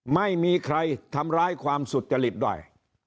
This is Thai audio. ไม่มีใครทำร้ายความสุจริตด้วย